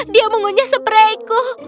dia mengunya sprayku